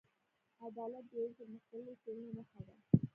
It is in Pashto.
عدالت د یوې پرمختللې ټولنې نښه ده.